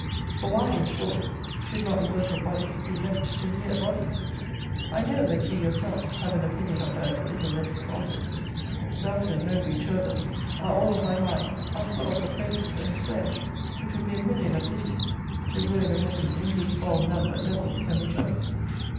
For why, in short, should not the work of bodies be left to mere bodies? I know, that you yourself have an opinion of her little less exalted. Belton, Mowbray, Tourville, are all of my mind; are full of her praises; and swear, it would be a million of pities to ruin a woman in whose fall none but devils can rejoice.